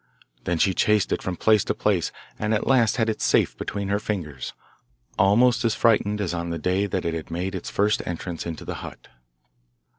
Then she chased it from place to place, and at last had it safe between her fingers, almost as frightened as on the day that it had made its first entrance into the hut.